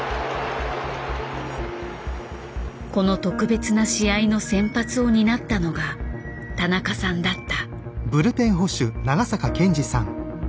この特別な試合の先発を担ったのが田中さんだった。